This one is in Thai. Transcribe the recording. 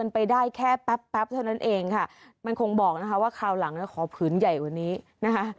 ไปได้แค่แป๊บแป๊บเท่านั้นเองค่ะมันคงบอกนะคะว่าคราวหลังขอผืนใหญ่กว่านี้นะคะ